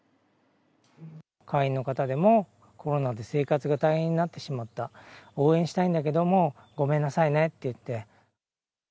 会員の方でも、コロナで生活が大変になってしまった、応援したいんだけれども、ごめんなさいねって言って。